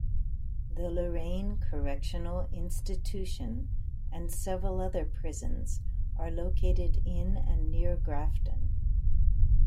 The Lorain Correctional Institution and several other prisons are located in and near Grafton.